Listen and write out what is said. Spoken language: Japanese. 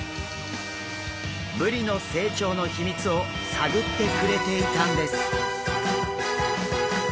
ブリの成長の秘密を探ってくれていたんです。